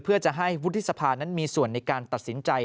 เพื่อจะให้วุฒิสภานั้นมีส่วนในการตัดสินใจ